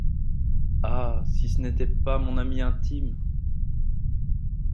Ah ! si ce n’était pas mon ami intime !…